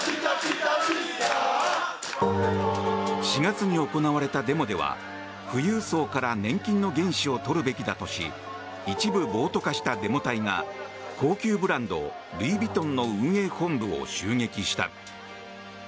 ４月に行われたデモでは富裕層から年金の原資を取るべきだとし一部暴徒化したデモ隊が高級ブランドルイ・ヴィトンの運営本部を襲撃した。